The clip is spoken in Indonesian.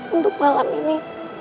untuk malam ini